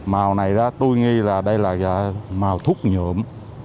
màu này tôi nghĩ là đây là màu thúc nhộm